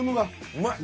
うまい。